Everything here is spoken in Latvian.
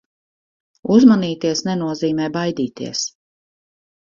Uzmanīties nenozīmē baidīties.